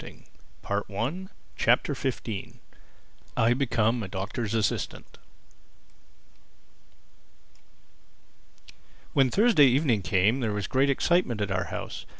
THE FIFTEENTH CHAPTER I BECOME A DOCTOR'S ASSISTANT WHEN Thursday evening came there was great excitement at our house.